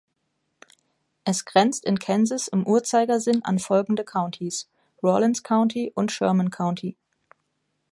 Es grenzt in Kansas im Uhrzeigersinn an folgende Countys: Rawlins County und Sherman County.